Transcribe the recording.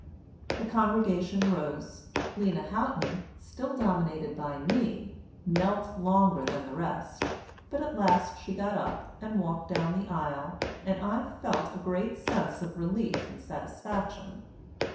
The congregation rose. Lena Houghton, still dominated by me, knelt longer than the rest, but at last she got up and walked down the aisle, and I felt a great sense of relief and satisfaction.